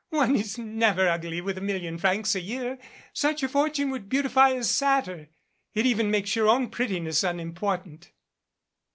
"One is never ugly with a million francs a year. Such a fortune would beautify a satyr. It even makes your own pretti ness unimportant."